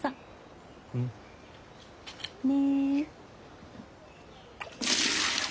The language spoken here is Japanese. うん。ね。